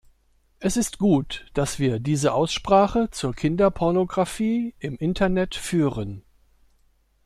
Es ist gut, dass wir diese Aussprache zur Kinderpornographie im Internet führen.